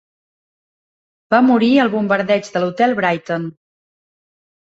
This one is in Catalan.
Va morir al bombardeig de l'hotel Brighton.